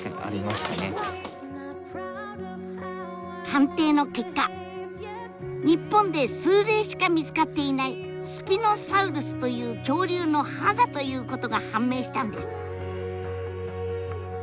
鑑定の結果日本で数例しか見つかっていないスピノサウルスという恐竜の歯だということが判明したんです！